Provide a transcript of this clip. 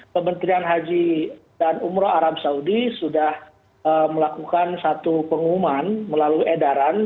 kementerian haji dan umroh arab saudi sudah melakukan satu pengumuman melalui edaran